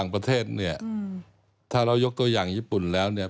ประเทศเนี่ยถ้าเรายกตัวอย่างญี่ปุ่นแล้วเนี่ย